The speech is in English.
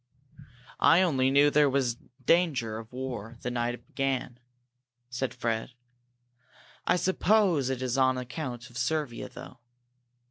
"I only knew there was danger of war the night it began," said Fred. "I suppose it is on account of Servia, though?"